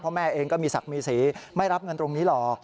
แม่เองก็มีศักดิ์มีสีไม่รับเงินตรงนี้หรอก